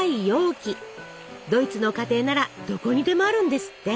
ドイツの家庭ならどこにでもあるんですって。